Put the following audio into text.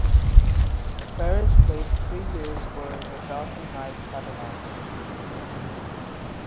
Perez played three years for the Dalton High Catamounts.